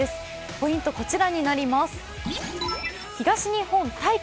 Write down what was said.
ポイントはこちらになります。